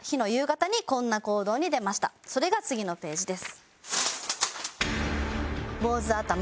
それが次のページです。